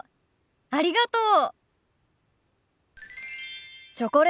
ありがとう。